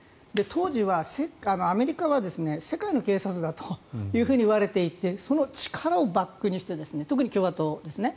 当時はアメリカは世界の警察だといわれていてその力をバックにして特に共和党ですね。